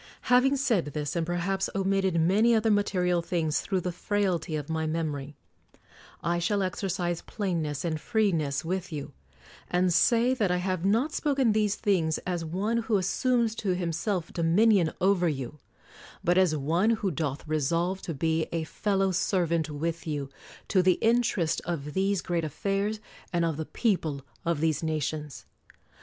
Having said this, and perhaps omitted many other material things through the frailty of my memory, I shall exercise plainness and freeness with you ; and say that I have not spoken these things as one who assumes to himself dominion over you; but as one who doth resolve to be a fellow servant with you to the interest of these great affairs and of the people of these nations.